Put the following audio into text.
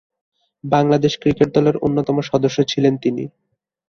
Bangladesh cricket দলের অন্যতম সদস্য ছিলেন তিনি।